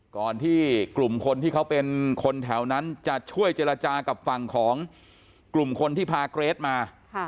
ก่อนที่กลุ่มคนที่เขาเป็นคนแถวนั้นจะช่วยเจรจากับฝั่งของกลุ่มคนที่พาเกรทมา